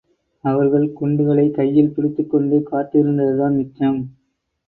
அவர்கள் குண்டுகளைக் கையில் பிடித்துக்கொண்டு காத்திருந்ததுதான் மிச்சம்.